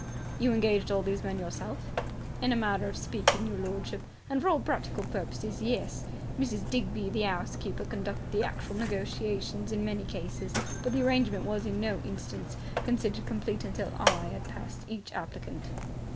"You engaged all these men yourself?" "In a manner of speaking, your lordship, and for all practical purposes, yes. Mrs. Digby, the 'ouse keeper conducted the actual negotiations in many cases, but the arrangement was in no instance considered complete until I had passed each applicant."